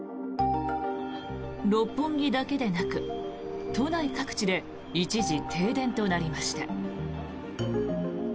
六本木だけでなく都内各地で一時停電となりました。